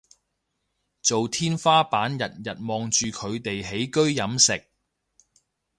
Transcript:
做天花板日日望住佢哋起居飲食